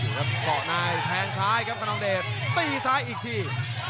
กรอกนายแทงซ้ายครับคนนองเดชน์ตีซ้ายอีกที